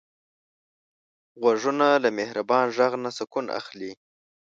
غوږونه له مهربان غږ نه سکون اخلي